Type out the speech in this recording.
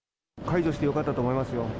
解除してよかったと思いますよ。